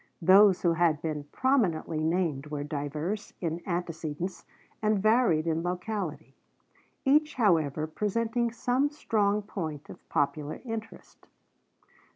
Those who had been prominently named were diverse in antecedents and varied in locality, each however presenting some strong point of popular interest.